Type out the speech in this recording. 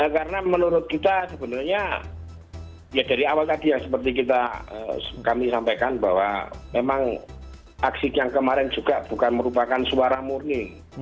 karena menurut kita sebenarnya ya dari awal tadi yang seperti kita kami sampaikan bahwa memang aksi yang kemarin juga bukan merupakan suara murni